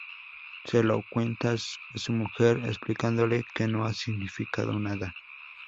Se lo cuenta a su mujer explicándole que no ha significado nada.